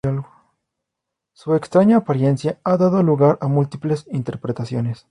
Su extraña apariencia ha dado lugar a múltiples interpretaciones.